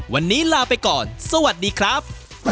วันนี้ลาไปก่อนสวัสดีครับ